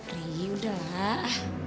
ri udah lah